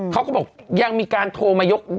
เขาก็บอกยังมีการโทรมายก